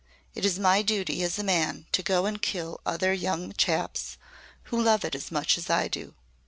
It is my duty as a man to go and kill other young chaps who love it as much as I do.